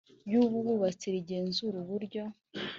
by ubwubatsi rigenzura uburyo